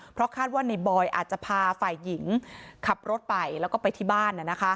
เพราะคาดว่าในบอยอาจจะพาฝ่ายหญิงขับรถไปแล้วก็ไปที่บ้าน